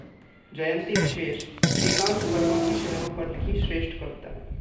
जयंती विशेषः श्रीकांत वर्मा की शहरों पर लिखीं श्रेष्ठ कविताएं